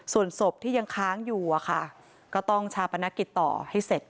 ส่วนศพที่ยังค้างอยู่อะค่ะก็ต้องชาปนกิจต่อให้เสร็จ